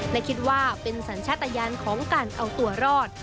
และคิดว่าเป็นสัญชาติยานของการเอาตัวรอด